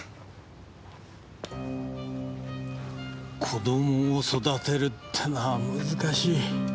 子供を育てるってのは難しい。